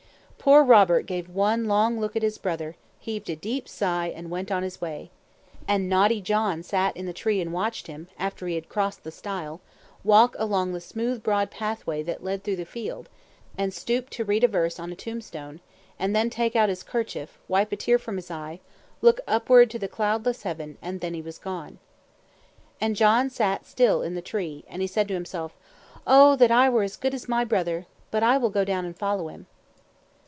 Poor Robert gave one long look at his brother, heaved a deep sigh, and went on his way. And naughty John sat in the tree and watched him, after he had crossed the stile, walk along the smooth broad pathway that led through the field, then enter the church yard, and stoop to read a verse on a tomb stone; then take out his kerchief, wipe a tear from his eye, look upward to the cloudless heaven, and then he was gone. And John sat still in the tree, and he said to himself, "Oh! that I were as good as my brother; but I will go down and follow him."